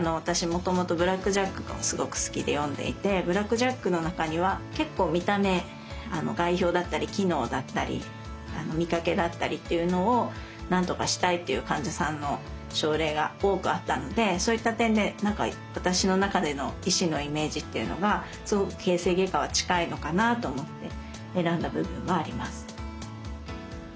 もともと「ブラック・ジャック」がすごく好きで読んでいて「ブラック・ジャック」の中には結構見た目外傷だったり機能だったり見かけだったりっていうのを何とかしたいっていう患者さんの症例が多くあったのでそういった点で何か私の中での医師のイメージっていうのが形成外科は近いのかなと思って選んだ部分はあります。